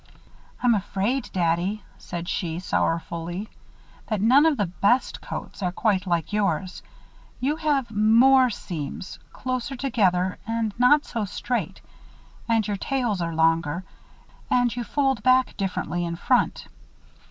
"I'm afraid, Daddy," said she, sorrowfully, "that none of the best coats are quite like yours. You have more seams, closer together and not so straight. And your tails are longer. And you fold back differently in front."